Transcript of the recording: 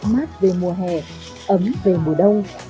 mát về mùa hè ấm về mùa đông